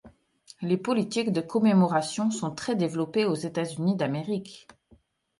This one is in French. Les politiques de commémoration sont très développées aux États-Unis d'Amérique.